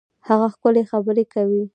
هغه ښکلي خبري کوي.